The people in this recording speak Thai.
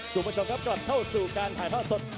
ดูมาชมครับกลับเข้าสู่การถ่ายผ้าสด